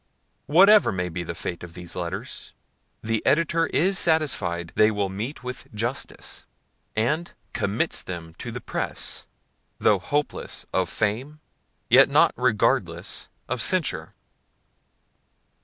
Whatever may be the fate of these letters, the editor is satisfied they will meet with justice; and commits them to the press, though hopeless of fame, yet not regardless of censure.